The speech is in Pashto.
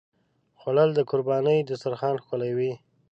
خوړل د قربانۍ دسترخوان ښکلوي